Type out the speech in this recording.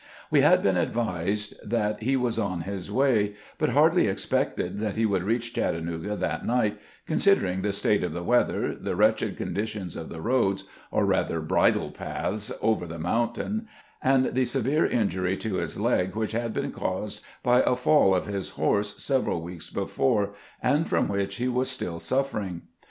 We had been advised that he was on his way, but hardly expected that he would reach Chattanooga that night, considering the state of the weather, the wretched condition of the roads, or rather bridle paths, over the mountain, and the severe injury to his leg which had been caused by a fall of his horse several weeks before, and from which he was still suffering.